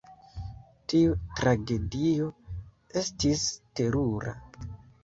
Tiu tragedio estis terura.